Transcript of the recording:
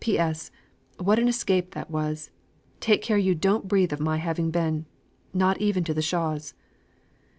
P.S. What an escape that was! Take care you don't breathe of my having been not even to the Shaws."